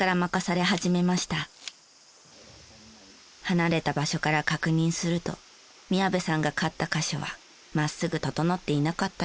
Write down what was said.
離れた場所から確認すると宮部さんが刈った箇所は真っすぐ整っていなかったようです。